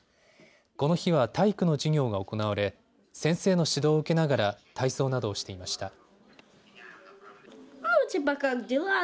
この日は体育の授業が行われ、先生の指導を受けながら体操などをしていました。